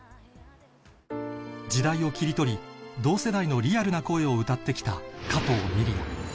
時代を切り取り同世代のリアルな声を歌って来た加藤ミリヤ